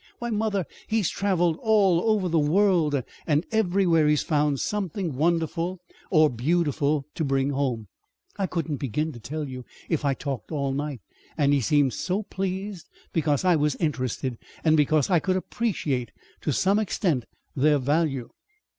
"Why, mother, he's traveled all over the world, and everywhere he's found something wonderful or beautiful to bring home. I couldn't begin to tell you, if I talked all night. And he seemed so pleased because I was interested, and because I could appreciate to some extent, their value."